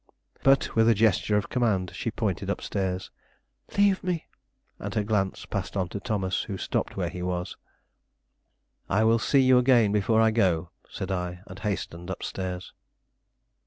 But, with a gesture of command, she pointed up stairs. "Leave me!" and her glance passed on to Thomas, who stopped where he was. "I will see you again before I go," said I, and hastened up stairs.